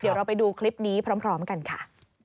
เดี๋ยวเราไปดูคลิปนี้พร้อมกันค่ะ